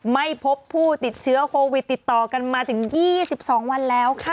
ไม่พบผู้ติดเชื้อโควิดติดต่อกันมาถึง๒๒วันแล้วค่ะ